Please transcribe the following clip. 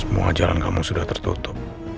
semua ajaran kamu sudah tertutup